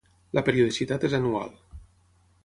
La periodicitat és anual.